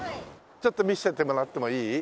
ちょっと見せてもらってもいい？